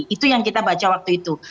itu yang kita baca waktu itu